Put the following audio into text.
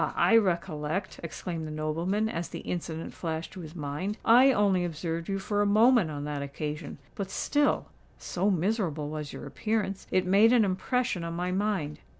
I recollect," exclaimed the nobleman, as the incident flashed to his mind. "I only observed you for a moment on that occasion; but still—so miserable was your appearance—it made an impression on my mind.